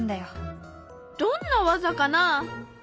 どんな技かな？